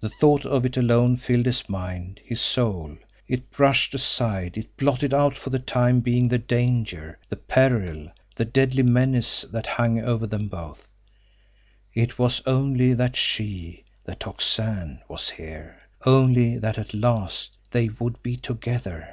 The thought of it alone filled his mind, his soul; it brushed aside, it blotted out for the time being the danger, the peril, the deadly menace that hung over them both. It was only that she, the Tocsin, was here only that at last they would be together.